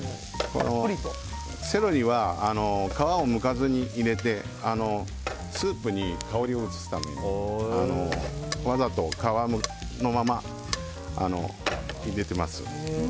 セロリは皮をむかずに入れてスープに香りを移すためにわざと皮のまま入れています。